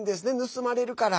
盗まれるから。